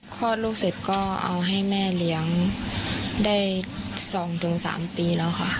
คลอดลูกเสร็จก็เอาให้แม่เลี้ยงได้๒๓ปีแล้วค่ะ